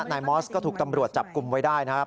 นายมอสก็ถูกตำรวจจับกลุ่มไว้ได้นะครับ